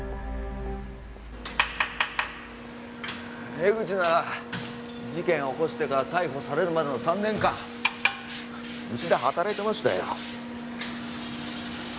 江口なら事件起こしてから逮捕されるまでの３年間うちで働いてましたよ。